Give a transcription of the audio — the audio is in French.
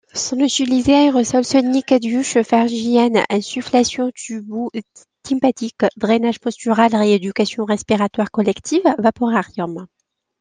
Sont utilisés aérosol sonique, diuche pharingienne, insufflation tubo-tympanique, drainage postural, rééducation respiratoire collective, vaporarium...